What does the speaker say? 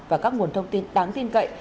và các nguồn thông tin đáng tin cậy